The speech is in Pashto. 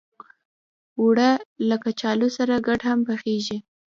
اوړه له کچالو سره ګډ هم کارېږي